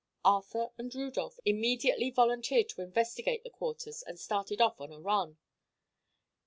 Arthur and Rudolph immediately volunteered to investigate the quarters and started off on a run.